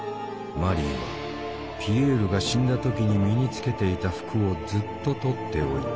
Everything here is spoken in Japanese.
マリーはピエールが死んだ時に身につけていた服をずっと取っておいた。